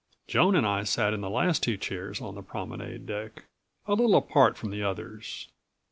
Joan and I sat in the last two chairs on the promenade deck, a little apart from the others.